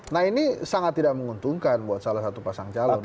nah ini sangat tidak menguntungkan buat salah satu pasang calon